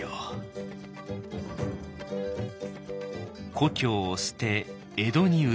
「故郷を捨て江戸に移れ」。